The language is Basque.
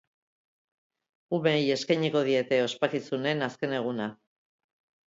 Umeei eskainiko diete ospakizunen azken eguna.